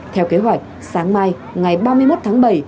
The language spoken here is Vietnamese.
theo kế hoạch sáng mai ngày ba mươi một tháng bảy